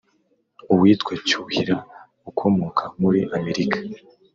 uwitwa cyuhira ukomoka muri amerika